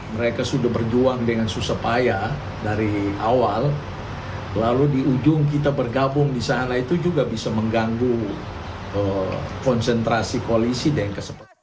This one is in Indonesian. mereka sudah berjuang dengan susah payah dari awal lalu di ujung kita bergabung di sana itu juga bisa mengganggu konsentrasi koalisi dengan kesempatan